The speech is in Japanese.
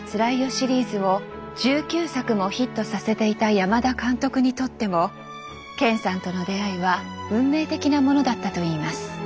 シリーズを１９作もヒットさせていた山田監督にとっても健さんとの出会いは運命的なものだったといいます。